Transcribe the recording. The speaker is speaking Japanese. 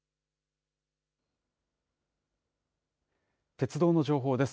鉄道の情報です。